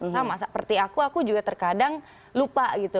sama seperti aku aku juga terkadang lupa gitu